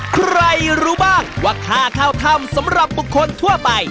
ใครรู้บ้างว่าค่าเข้าถ้ำสำหรับบุคคลทั่วไป